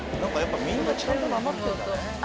みんなちゃんとなまってんだね。